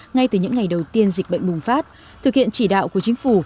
ngay từ những ngày đầu tiên dịch bệnh bùng phát thực hiện chỉ đạo của chính phủ